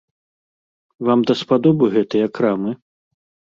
Вам даспадобы гэтыя крамы?